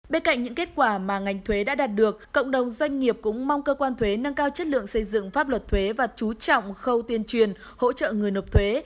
bên cạnh những kết quả mà ngành thuế đã đạt được cộng đồng doanh nghiệp cũng mong cơ quan thuế nâng cao chất lượng xây dựng pháp luật thuế và chú trọng khâu tuyên truyền hỗ trợ người nộp thuế